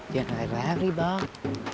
jangan lari lari bang